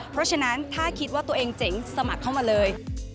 เพราะฉะนั้นถ้าคิดว่าตัวเองเจ๋งสมัครเข้ามาเลย